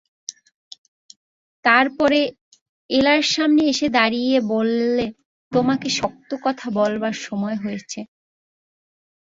তার পরে এলার সামনে এসে দাঁড়িয়ে বললে, তোমাকে শক্ত কথা বলবার সময় এসেছে।